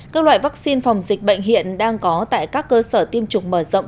các loại vaccine phòng dịch bệnh hiện đang có tại các cơ sở tiêm chủng mở rộng